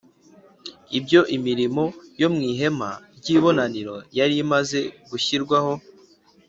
Ubwo imirimo yo mu ihema ry’ibonaniro yari imaze gushyirwaho